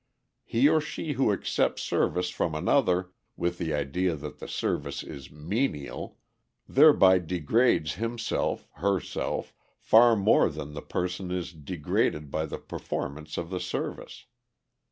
He or she who accepts service from another with the idea that the service is "menial," thereby degrades himself, herself, far more than the person is "degraded" by the performance of the service.